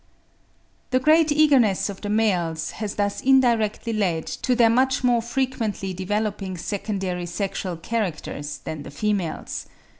The great eagerness of the males has thus indirectly led to their much more frequently developing secondary sexual characters than the females.